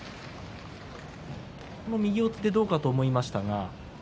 右四つでどうかと思いましたが。